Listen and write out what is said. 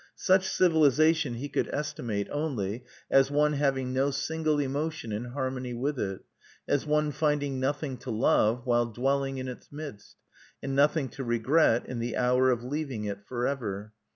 Such civilization he could estimate only as one having no single emotion in harmony with it, as one finding nothing to love while dwelling in its midst, and nothing to regret in the hour of leaving it forever.